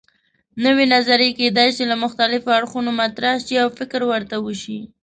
نوې نظریې کیدای شي له مختلفو اړخونو مطرح شي او فکر ورته وشي.